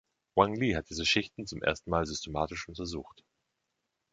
Wang Li hat diese Schichten zum ersten Mal systematisch untersucht.